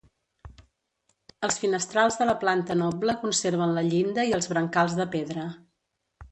Els finestrals de la planta noble conserven la llinda i els brancals de pedra.